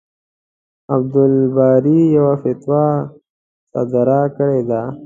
عبدالباري يوه فتوا صادره کړې ده.